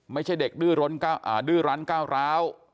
ไม่ใช่เด็กดื้อรั้นก้าวร้าว